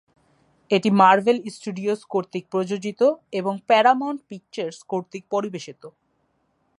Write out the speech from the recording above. এটি Marvel Studios কর্তৃক প্রযোজিত এবং প্যারামাউন্ট পিকচার্স কর্তৃক পরিবেশিত।